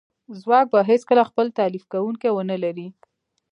ځواک به هیڅکله خپل تالیف کونکی ونه لري